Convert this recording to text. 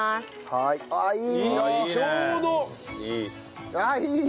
はい。